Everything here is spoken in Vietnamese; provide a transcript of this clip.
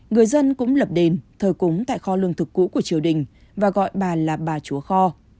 người dân cũng lập đền thờ cúng tại kho lương thực cũ của triều đình và gọi bà là bà chúa kho